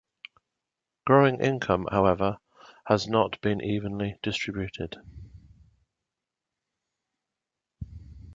Growing income however, has not being evenly distributed.